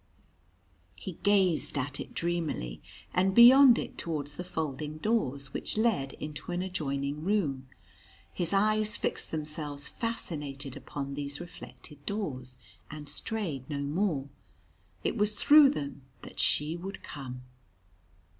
He gazed at it dreamily, and beyond it towards the folding doors, which led into an adjoining room. His eyes fixed themselves fascinated upon these reflected doors, and strayed no more. It was through them that she would come.